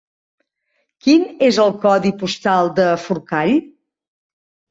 Quin és el codi postal de Forcall?